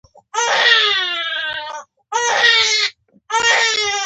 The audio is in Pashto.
د باچا خان د زولنو او هتکړیو ګردونه یې وڅنډل.